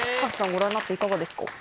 ご覧になっていかがですか？